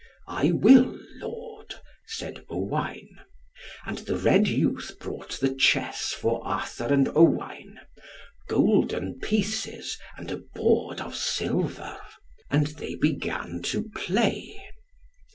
"I will, Lord," said Owain. And the red youth brought the chess for Arthur and Owain; golden pieces and a board of silver. And they began to play.